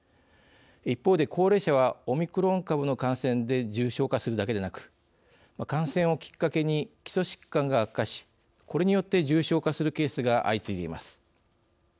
一方で、高齢者はオミクロン株の感染で重症化するだけでなく感染をきっかけに基礎疾患が悪化しこれによって重症化するケースが相次いでいます。